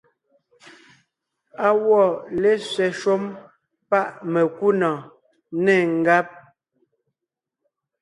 Á wɔ́ lésẅɛ shúm páʼ mekúnɔ̀ɔn, nê ngáb.